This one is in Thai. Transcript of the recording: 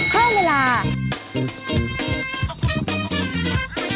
ข้าวใส่ไทย